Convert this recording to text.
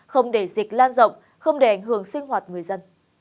không để dịch lan rộng không để ảnh hưởng sinh hoạt người dân